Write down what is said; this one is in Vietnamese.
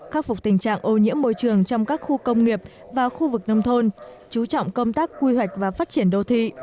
khắc phục tình trạng ô nhiễm môi trường trong các khu công nghiệp và khu vực nông thôn chú trọng công tác quy hoạch và phát triển đô thị